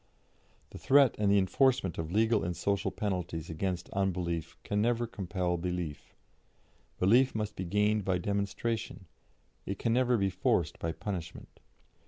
"The threat and the enforcement of legal and social penalties against unbelief can never compel belief. Belief must be gained by demonstration; it can never be forced by punishment.